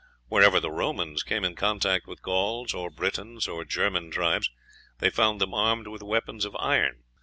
Wherever the Romans came in contact with Gauls, or Britons, or German tribes, they found them armed with weapons of iron.